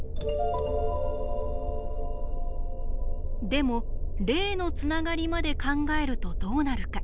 でも例のつながりまで考えるとどうなるか。